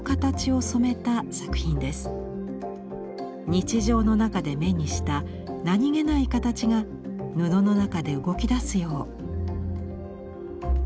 日常の中で目にした何気ない形が布の中で動きだすよう。